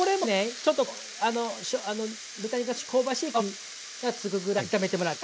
ちょっとこう豚肉が少し香ばしい香りがつくぐらい炒めてもらって。